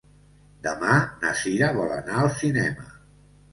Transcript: Demà na Sira vol anar al cinema.